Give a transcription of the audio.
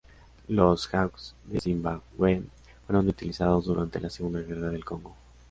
Los Hawks de Zimbabwe fueron utilizados durante la Segunda Guerra del Congo.